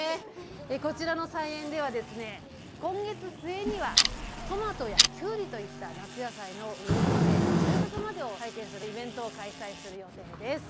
こちらの菜園では、今月末にはトマトやキュウリといった夏野菜の植え付け、収穫までを体験するイベントを開催する予定です。